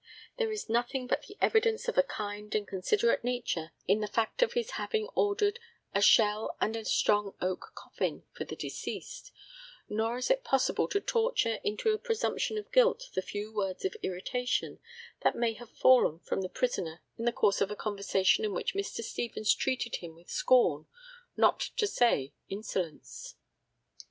There is nothing but the evidence of a kind and considerate nature in the fact of his having ordered "a shell and a strong oak coffin" for the deceased; nor is it possible to torture into a presumption of guilt the few words of irritation that may have fallen from the prisoner in the course of a conversation in which Mr. Stevens treated him with scorn, not to say insolence.